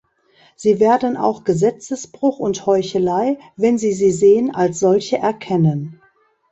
Sie werden auch Gesetzesbruch und Heuchelei, wenn sie sie sehen, als solche erkennen.